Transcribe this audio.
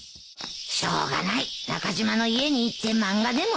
しょうがない中島の家に行って漫画でも読むか。